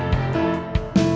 eh masih lbu